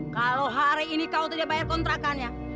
kalau hari ini kau tidak bayar kontrakannya